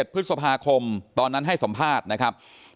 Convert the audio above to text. ๑พฤษภาคมตอนนั้นให้สัมภาษณ์นะครับ